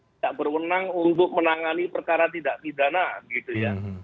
tidak berwenang untuk menangani perkara tidak pidana gitu ya